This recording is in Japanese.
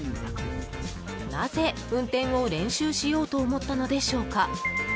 なぜ運転を練習しようと思ったのでしょうか。